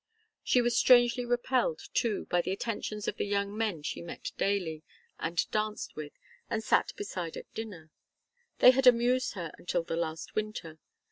She was strangely repelled, too, by the attentions of the young men she met daily, and danced with, and sat beside at dinner. They had amused her until the last winter.